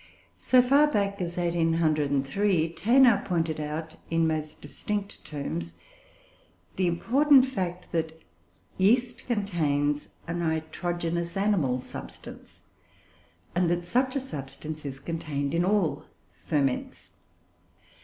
So far back as 1803, Thénard pointed out, in most distinct terms, the important fact that yeast contains a nitrogenous "animal" substance; and that such a substance is contained in all ferments.